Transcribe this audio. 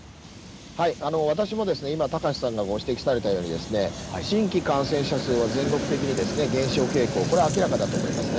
私もですね、今、高瀬さんがご指摘されたように、新規感染者数は全国的に減少傾向、これは明らかだと思いますね。